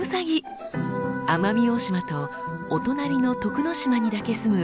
奄美大島とお隣の徳之島にだけすむ激レアウサギ！